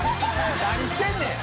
「何してんねん！」